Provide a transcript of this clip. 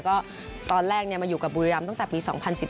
ก็ตอนแรกเนี่ยมาอยู่กับบุรีรัมพ์ตั้งแต่ปี๒๐๑๒